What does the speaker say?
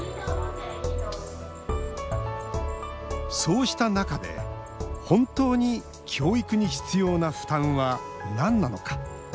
そうした中で本当に教育に必要な負担は、なんなのか。